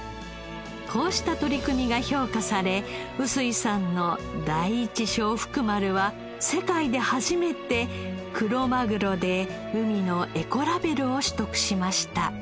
こうした取り組みが評価され臼井さんの第一昭福丸は世界で初めてクロマグロで海のエコラベルを取得しました。